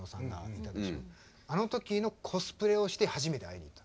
あの時のコスプレをして初めて会いに行った。